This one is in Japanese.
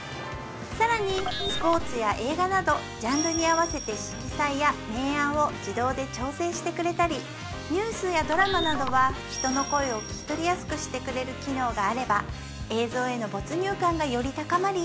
更にスポーツや映画などジャンルに合わせて色彩や明暗を自動で調整してくれたりニュースやドラマなどは人の声を聞き取りやすくしてくれる機能があれば映像への没入感がより高まり